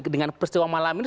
dengan peristiwa malam ini